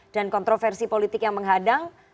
dan kontroversi politik yang menghadang